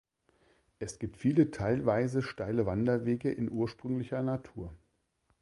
Es gibt viele teilweise steile Wanderwege in ursprünglicher Natur.